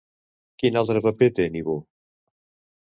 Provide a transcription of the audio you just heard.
Quin altre paper té Nibo?